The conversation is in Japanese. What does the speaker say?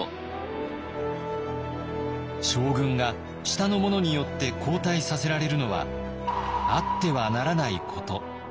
将軍が下の者によって交代させられるのはあってはならないこと。